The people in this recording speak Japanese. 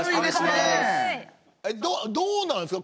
どうなんですか？